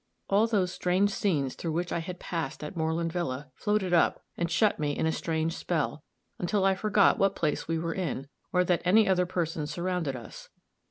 All those strange scenes through which I had passed at Moreland villa floated up and shut me in a strange spell, until I forgot what place we were in, or that any other persons surrounded us.